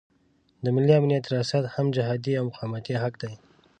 د ملي امنیت ریاست هم جهادي او مقاومتي حق دی.